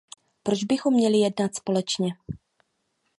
Proč bychom měli jednat společně?